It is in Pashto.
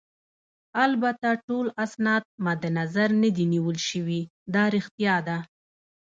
البته ټول اسناد مدنظر نه دي نیول شوي، دا ريښتیا ده.